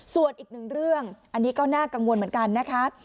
ส่วนอีกหนึ่งเรื่องอันนี้ก็น่ากังวลเหมือนกันนะคะ